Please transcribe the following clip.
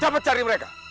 cepat cari mereka